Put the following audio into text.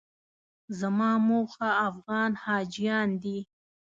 زما موخه افغان حاجیان دي.